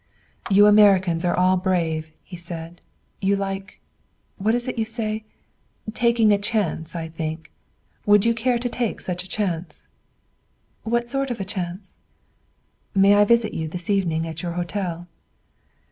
"You Americans are all brave," he said. "You like what is it you say? taking a chance, I think. Would you care to take such a chance?" "What sort of a chance?" "May I visit you this evening at your hotel?"